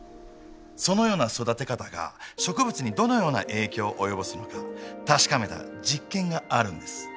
そのような育て方が植物にどのような影響を及ぼすのか確かめた実験があるんです。